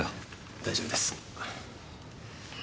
大丈夫です。